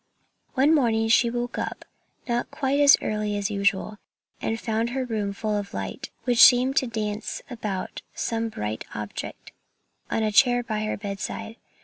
One morning she woke up, not quite as early as usual, and found her room full of light, which seemed to dance about some bright object on a chair by her bedside.